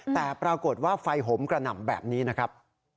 แต่ปรากฏว่าไฟหมกระหน่ำแบบนี้นะครับ